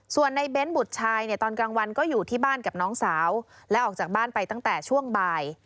ส่วนในเบ้นบุตรชายเนี่ยตอนกลางวันก็อยู่ที่บ้านกับน้องสาวและออกจากบ้านไปตั้งแต่ช่วงบ่าย